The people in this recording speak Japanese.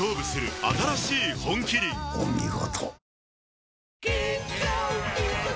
お見事。